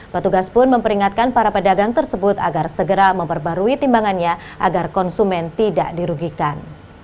petugas pun memperingatkan para pedagang tersebut agar segera memperbarui timbangannya agar konsumen tidak dirugikan